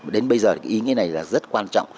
đến bây giờ ý nghĩa này rất quan trọng